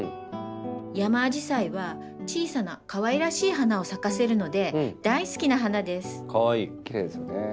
ヤマアジサイは小さなかわいらしい花を咲かせるので大好きな花です。